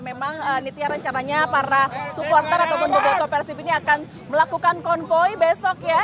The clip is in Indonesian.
memang nitya rencananya para supporter ataupun boboto persib ini akan melakukan konvoy besok ya